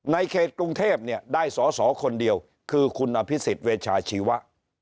ในเขตกรุงเทพเนี่ยได้สอสอคนเดียวคือคุณอภิษฎเวชาชีวะ